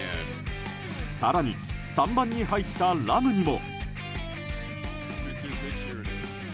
更に３番に入ったラムにも。